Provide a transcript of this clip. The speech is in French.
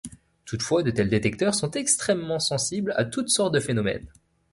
Toutefois, de tels détecteurs sont extrêmement sensibles à toutes sortes de phénomènes.